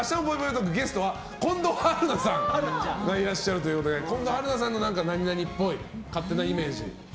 トークゲストは近藤春菜さんがいらっしゃるということで近藤春菜さんの何々っぽい勝手なイメージありますか？